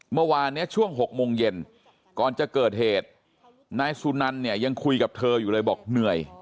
เมื่อวานเนี่ยช่วง๖โมงเย็นก่อนจะเกิดเหตุนายสุนันเนี่ยยังคุยกับเธออยู่เลยบอกเหนื่อย